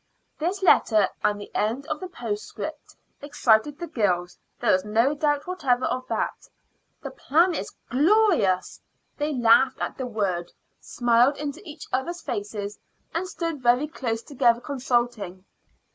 This letter and the end of the postscript excited the girls; there was no doubt whatever of that. "The plan is gloryious." They laughed at the word, smiled into each others' faces, and stood very close together consulting.